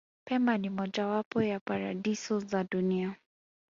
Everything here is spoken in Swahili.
pemba ni moja wapo ya paradiso za dunia